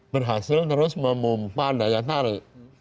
berhasil terus memumpah daya tarik